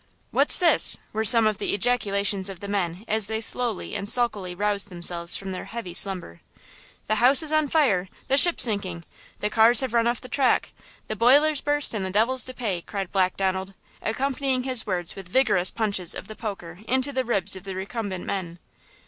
"What's this?" were some of the ejaculations of the men as they slowly and sulkily roused themselves from their heavy slumber. "The house is on fire! The ship's sinking! The cars have run off the track! The boiler's burst, and the devil's to pay!" cried Black Donald, accompanying his words with vigorous punches of the poker into the ribs of the recumbent men.